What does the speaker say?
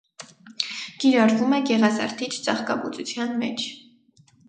Կիրառվում է գեղազարդիչ ծաղկաբուծության մեջ։